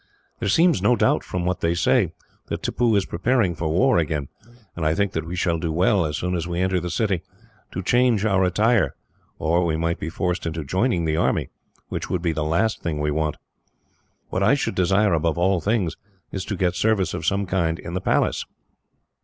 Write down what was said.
There seems no doubt, from what they say, that Tippoo is preparing for war again, and I think that we shall do well, as soon as we enter the city, to change our attire, or we might be forced into joining the army, which would be the last thing we want. What I should desire, above all things, is to get service of some kind in the Palace."